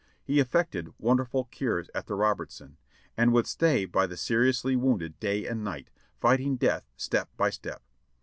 He effected wonderful cures at The Robertson, and would stay by the seriously wounded day and night, fighting death step by step.